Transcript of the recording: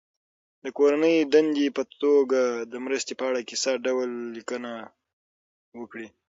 د کورنۍ دندې په توګه د مرستې په اړه کیسه ډوله لیکنه وکړي.